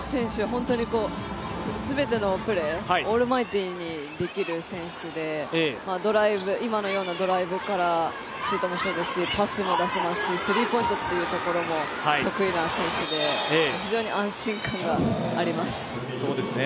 本当に全てのプレーオールマイティーにできる選手で今のようなドライブからシュートもそうですしパスも出せますしスリーポイントというところも得意な選手で非常に安心感があります。